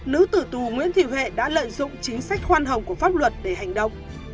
nữ tử tù nguyễn thị huệ đã lợi dụng chính sách khoan hồng của pháp luật để hành động